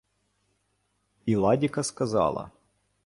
Іладіка сказала: